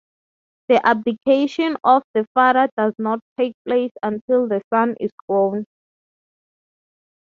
The abdication of the father does not take place until the son is grown.